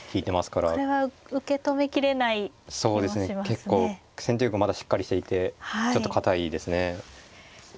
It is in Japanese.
結構先手玉もまだしっかりしていてちょっと堅いですね。